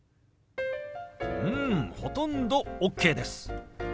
うんほとんどＯＫです。